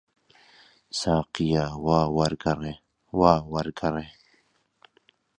ساقییا، وا وەرگەڕێ، وا وەرگەڕێ!